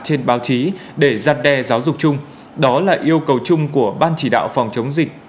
trên báo chí để giăn đe giáo dục chung đó là yêu cầu chung của ban chỉ đạo phòng chống dịch